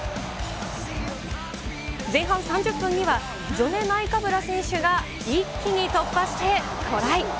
前半３０分にはジョネ・ナイカブラ選手が一気に突破してトライ。